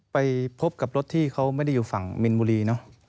ไปพบกับรถที่เขาไม่ได้อยู่ฝั่งมินบุรีเนอะ